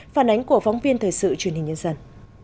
phản ánh của phóng viên thời sự truyền hình nhân dân